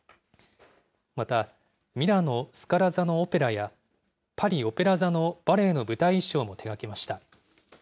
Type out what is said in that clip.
また、ミラノ・スカラ座のオペラや、パリ・オペラ座のバレエの舞台衣装も手がけました。